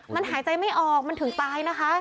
มันหายใจไม่ออกมันถึงตายนะคะ